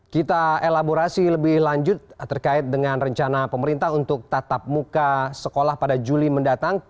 kita elaborasi lebih lanjut terkait dengan rencana pemerintah untuk tatap muka sekolah pada juli mendatang